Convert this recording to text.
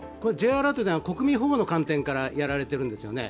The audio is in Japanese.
Ｊアラートは国民保護の観点からやられてるんですよね。